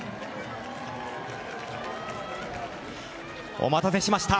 お待たせしました。